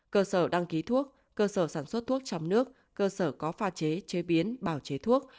cơ sở đăng ký thuốc cơ sở sản xuất thuốc trong nước cơ sở có pha chế chế biến bảo chế thuốc